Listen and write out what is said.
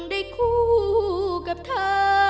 ได้คู่กับเธอ